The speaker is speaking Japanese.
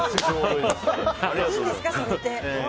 いいんですか、それって。